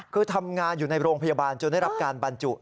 คือทำงานอยู่ในโรงพยาบาลจนได้รับการบรรจุ